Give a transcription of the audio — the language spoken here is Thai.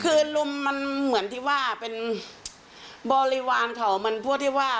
คือลุมมันเหมือนที่ว่าเป็นบริวารเขามันพวกที่ว่า